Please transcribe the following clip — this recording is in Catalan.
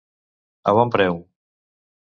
A bon preu.